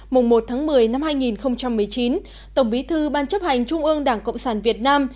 mùng một tháng một mươi năm hai nghìn một mươi chín tổng bí thư ban chấp hành trung ương đảng cộng sản việt nam